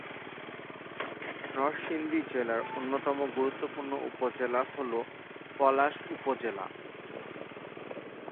নরসিংদী জেলার অন্যতম গুরুত্বপূর্ণ উপজেলা হল পলাশ উপজেলা।